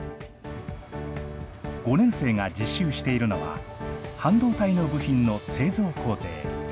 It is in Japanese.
５年生が実習しているのは、半導体の部品の製造工程。